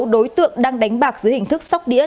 hai mươi sáu đối tượng đang đánh bạc dưới hình thức sóc điện